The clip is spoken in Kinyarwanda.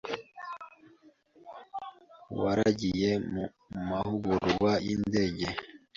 waragiye mu mahugurwa y’indege,